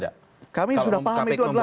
ya kami sudah paham itu adalah